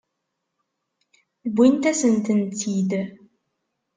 Wwint-asent-tt-id.